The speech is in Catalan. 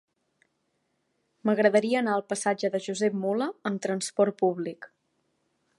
M'agradaria anar al passatge de Josep Mula amb trasport públic.